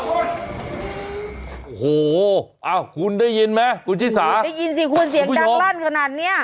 โอ้โหอ้าวคุณได้ยินไหมคุณชิสาได้ยินสิคุณเสียงดังลั่นขนาดเนี้ย